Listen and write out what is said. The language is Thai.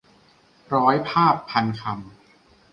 ร้อยภาพ-พันคำ